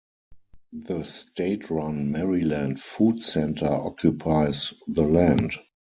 The State-run Maryland Food Center occupies the land.